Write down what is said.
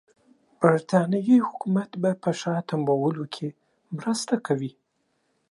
برټانیې حکومت به په شا تمبولو کې مرسته کوي.